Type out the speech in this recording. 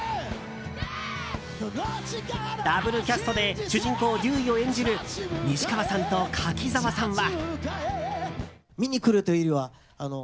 ダブルキャストで主人公デューイを演じる西川さんと柿澤さんは。